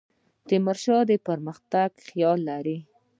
تیمور شاه د پرمختګ خیال لري.